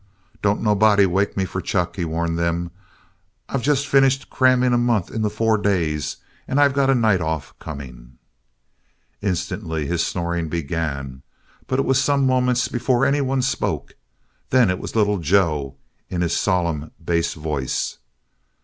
"Don't nobody wake me for chuck," he warned them. "I've just finished cramming a month into four days and I got a night off coming." Instantly his snoring began but it was some moments before anyone spoke. Then it was Little Joe in his solemn bass voice.